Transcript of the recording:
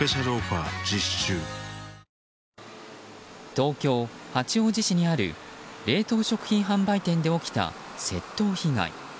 東京・八王子市にある冷凍食品販売店で起きた窃盗被害。